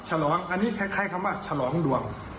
ฉลองอันนี้คล้ายคำว่าฉลองดวง